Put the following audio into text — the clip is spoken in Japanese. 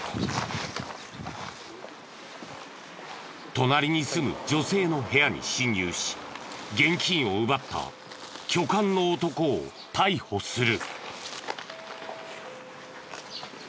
隣に住む女性の部屋に侵入し現金を奪った巨漢の男を逮捕する。